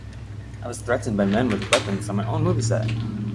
I was threatened by men with weapons on my own movie set.